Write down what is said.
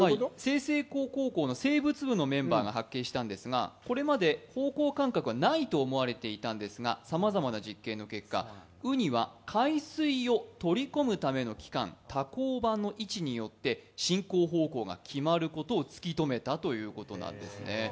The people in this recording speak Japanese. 済々黌高校の生物部のメンバーが発見したんですけれども、これまで方向感覚はないと思われていたんですが、さまざまな実験の結果ウニは海水を取り込むための期間多孔板の位置によって、進行方向が決まることを突き止めたということですね。